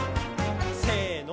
せの。